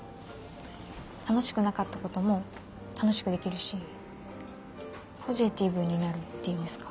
楽しくなかったことも楽しくできるしポジティブになるっていうんですか？